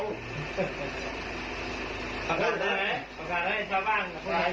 ขอบคุณทุกคนนะครับขอบคุณทุกคนนะครับ